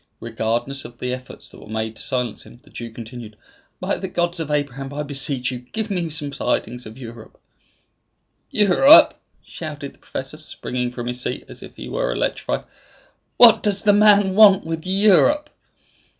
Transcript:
Regardless of the efforts that were made to silence him, the Jew continued, "By the God of Abraham, I beseech you, give me some tidings of Europe!" "Europe?" shouted the professor, springing from his seat as if he were electrified; "what does the man want with Europe?"